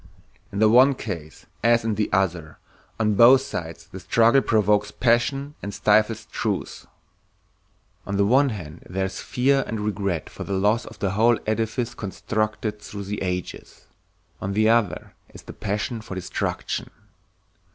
In the one case as in the other, on both sides the struggle provokes passion and stifles truth. On the one hand there is fear and regret for the loss of the whole edifice constructed through the ages, on the other is the passion for destruction.